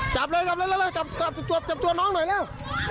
จับเลยจับเลยจับตัวน้องหน่อยเร็ว